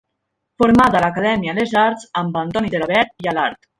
Format a l'acadèmia Les Arts amb Antoni Gelabert i Alart.